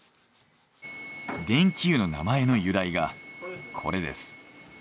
電気湯の名前の由来がこれです。